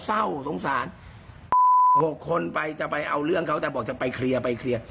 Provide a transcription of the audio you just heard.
จะต้องมีความผิดจะต้องมีบาปติดตัวไปตลอดชีวิตแน่นอน